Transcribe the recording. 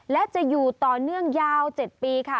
และจะอยู่ต่อเนื่องยาว๗ปีค่ะ